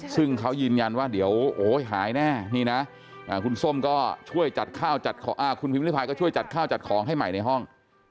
ซึ่งเขายืนยันว่าเดี๋ยวหายแน่คุณส้มก็ช่วยจัดข้าวจัดของให้ใหม่ในห้อง